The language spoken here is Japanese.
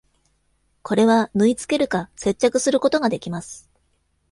これは、縫い付けるか接着することができます。